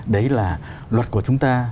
đấy là luật của chúng ta